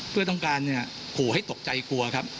เพื่อต้องการขู่ให้ตกใจกลัวครับ